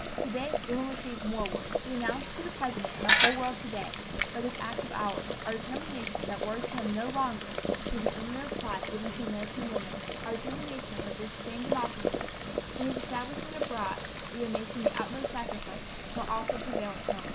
To day women receive more words. We announce to the President and the whole world to day, by this act of ours, our determination that words shall not longer be the only reply given to American women—our determination that this same democracy for whose establishment abroad we are making the utmost sacrifice, shall also prevail at home.